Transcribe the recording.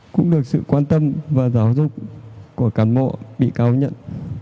cũng được sự quan tâm và giáo dục của cán bộ bị cáo nhận